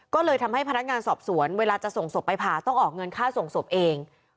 ก็เลยทำให้พนักงานสอบสวนเวลาจะส่งศพไปผ่าต้องออกเงินค่าส่งศพเอง